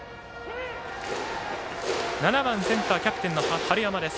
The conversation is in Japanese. ７番センターキャプテンの春山です。